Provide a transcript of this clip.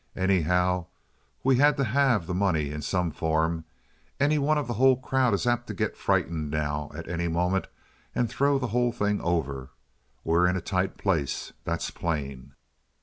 Anyhow, we had to have the money in some form. Any one of the whole crowd is apt to get frightened now at any moment and throw the whole thing over. We're in a tight place, that's plain."